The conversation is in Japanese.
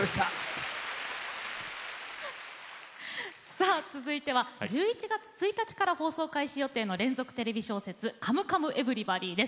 さあ続いては１１月１日から放送開始予定の連続テレビ小説「カムカムエヴリバディ」です。